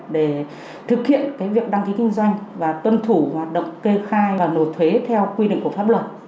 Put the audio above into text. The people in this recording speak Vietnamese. để thực hiện việc đăng ký kinh doanh và tuân thủ hoạt động kê khai và nộp thuế theo quy định của pháp luật